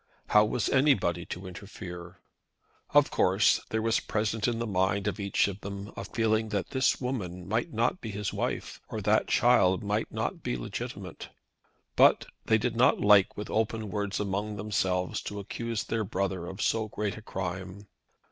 How was anybody to interfere? Of course, there was present in the mind of each of them a feeling that this woman might not be his wife, or that the child might not be legitimate. But they did not like with open words among themselves to accuse their brother of so great a crime.